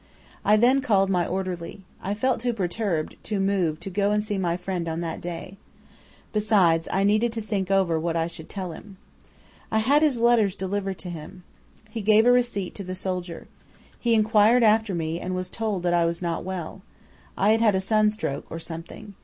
"I then called my orderly. I felt too perturbed, too moved, to go and see my friend on that day. Besides, I needed to think over what I should tell him. "I had his letters delivered to him. He gave a receipt to the soldier. He inquired after me and was told that I was not well. I had had a sunstroke, or something.